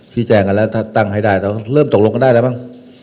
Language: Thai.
ที่แจ่งกันแล้วตั้งให้ได้เริ่มตกลงก็ได้แล้วบ้าง